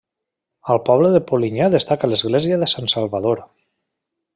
Al poble de Polinyà destaca l'església de Sant Salvador.